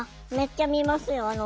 あっめっちゃ見ますよ。